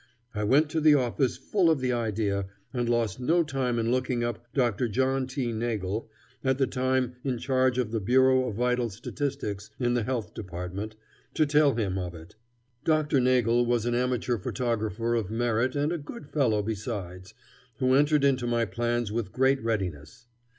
I went to the office full of the idea, and lost no time in looking up Dr. John T. Nagle, at the time in charge of the Bureau of Vital Statistics in the Health Department, to tell him of it. Dr. Nagle was an amateur photographer of merit and a good fellow besides, who entered into my plans with great readiness.